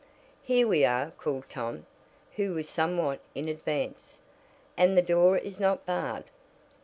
"Here we are," called Tom, who was somewhat in advance. "And the door is not barred."